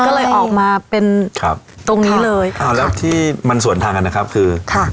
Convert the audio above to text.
ก็เลยออกมาเป็นครับตรงนี้เลยอ่าแล้วที่มันส่วนทางกันนะครับคือค่ะ